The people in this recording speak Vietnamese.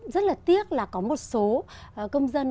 rất là tiếc là có một số công dân